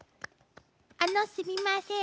あのすみません